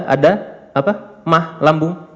ada mah lambung